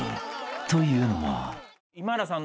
［というのも］